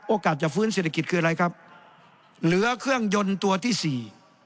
จะฟื้นเศรษฐกิจคืออะไรครับเหลือเครื่องยนต์ตัวที่สี่